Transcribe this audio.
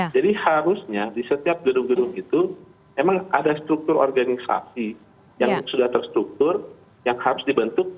jadi harusnya di setiap gedung gedung itu emang ada struktur organisasi yang sudah terstruktur yang harus dibentuk